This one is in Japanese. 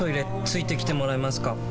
付いてきてもらえますか？